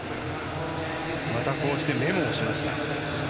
また、こうしてメモをしました。